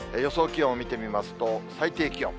気温を見てみますと、最低気温。